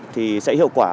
thì sẽ hiệu quả